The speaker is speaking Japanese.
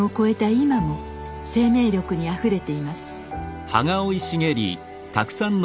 今も生命力にあふれています。